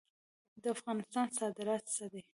د افغانستان صادرات څه دي؟